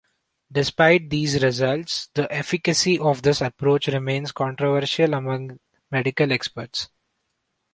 Despite these results, the efficacy of this approach remains controversial among medical experts.